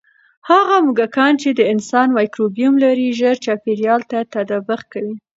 هغه موږکان چې د انسان مایکروبیوم لري، ژر چاپېریال ته تطابق کوي.